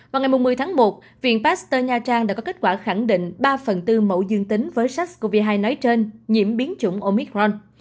vào ngày một mươi tháng một viện pasteur nha trang đã có kết quả khẳng định ba phần tư dương tính với sars cov hai nói trên nhiễm biến chủng omicron